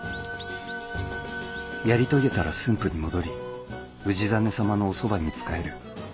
「やり遂げたら駿府に戻り氏真様のおそばに仕える。